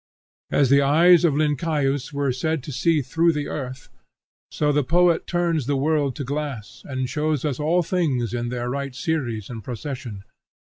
As the eyes of Lyncaeus were said to see through the earth, so the poet turns the world to glass, and shows us all things in their right series and procession.